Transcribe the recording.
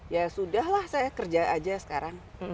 ya sudah lah saya kerja aja sekarang